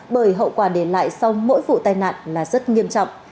bởi hậu quả để lại sau mỗi vụ tai nạn là rất nghiêm trọng